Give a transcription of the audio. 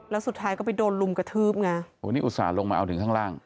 แล้วสุดท้ายก็ไปโดนลุมกระทืบไงโอ้นี่อุตส่าห์ลงมาเอาถึงข้างล่าง